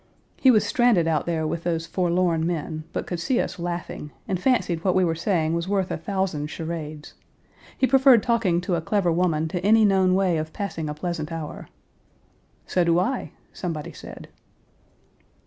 He was stranded out there with those forlorn men, but could see us laughing, and fancied what we were saying was worth a thousand charades. He preferred talking to a clever woman to any known way of passing a pleasant hour. "So do I," somebody said.